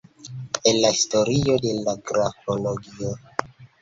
El la historio de la grafologio.